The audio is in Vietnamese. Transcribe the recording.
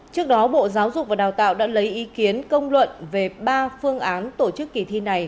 trước đó bộ giáo dục và đào tạo đã lấy ý kiến công luận về ba phương án tổ chức kỳ thi này